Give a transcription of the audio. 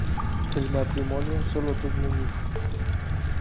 El matrimonio sólo tuvo un hijo.